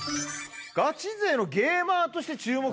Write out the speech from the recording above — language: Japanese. ガチ勢のゲーマーとして注目されると。